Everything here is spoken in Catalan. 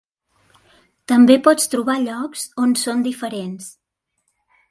També pots trobar llocs on som diferents.